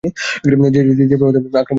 যে প্রভাতে আক্রমণের কথা ছিল।